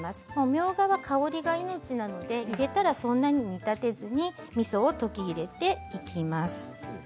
みょうがは香りが命なので入れたら、そんなに煮立てずにみそを溶き入れていきます。